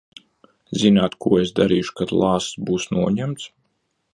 Zināt, ko es darīšu, kad lāsts būs noņemts?